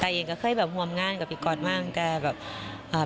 แต่เองก็เคยแบบห่วงงานกับพี่ก๊อตมั่งแต่แบบอ่า